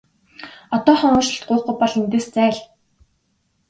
Одоохон уучлалт гуйхгүй бол эндээс зайл!